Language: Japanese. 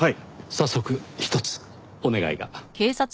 早速ひとつお願いが。